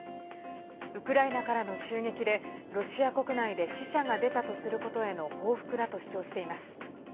ウクライナからの襲撃でロシア国内で死者が出たとすることへの報復だと主張しています。